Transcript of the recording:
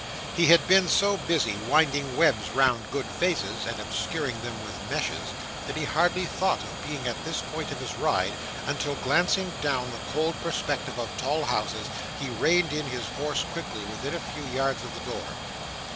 He had been so busy, winding webs round good faces, and obscuring them with meshes, that he hardly thought of being at this point of his ride, until, glancing down the cold perspective of tall houses, he reined in his horse quickly within a few yards of the door.